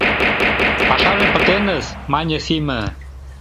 — Пашаже пытеныс, — мане Сима.